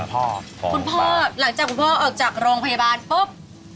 คุณพ่อคุณพ่อหลังจากคุณพ่อออกจากโรงพยาบาลปุ๊บ